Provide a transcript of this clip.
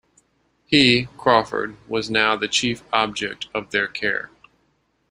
He, Crawford, was now the chief object of their care.